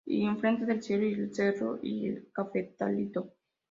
y enfrente el cielo, el cerro y el cafetalito.